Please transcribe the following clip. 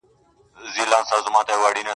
موږه كرلي دي اشنا دشاعر پښو ته زړونه.